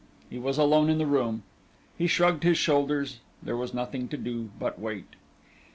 He was alone in the room. He shrugged his shoulders; there was nothing to do but wait.